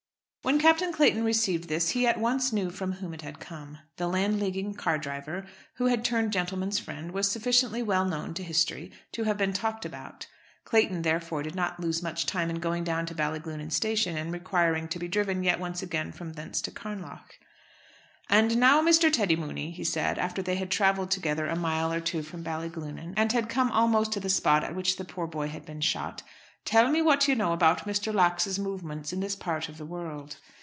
When Captain Clayton received this he at once knew from whom it had come. The Landleaguing car driver, who had turned gentlemen's friend, was sufficiently well known to history to have been talked about. Clayton, therefore, did not lose much time in going down to Ballyglunin station and requiring to be driven yet once again from thence to Carnlough. "And now, Mr. Teddy Mooney," he said, after they had travelled together a mile or two from Ballyglunin, and had come almost to the spot at which the poor boy had been shot, "tell me what you know about Mr. Lax's movements in this part of the world."